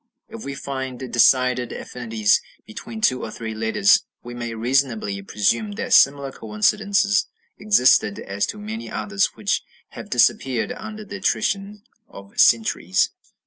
If we find decided affinities between two or three letters, we may reasonably presume that similar coincidences existed as to many others which have disappeared under the attrition of centuries.